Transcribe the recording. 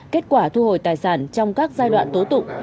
kết quả thu hồi tài sản trong các giai đoạn tố tụng